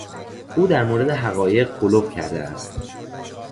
او در مورد حقایق غلو کرده است.